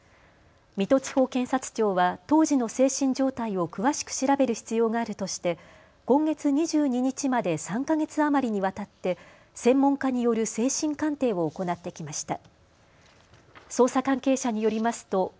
水戸地方検察庁は当時の精神状態を詳しく調べる必要があるとして今月２２日まで３か月余りにわたって専門家による精神鑑定を行ってきました。